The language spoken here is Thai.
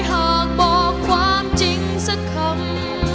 หากบอกความจริงสักคำ